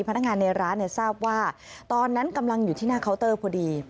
พนักงานในร้านทราบว่าตอนนั้นกำลังอยู่ที่หน้าเคาน์เตอร์พอดี